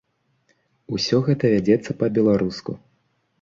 Усё гэта вядзецца па-беларуску.